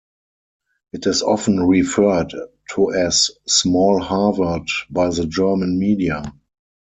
It is often referred to as "small Harvard" by the German media.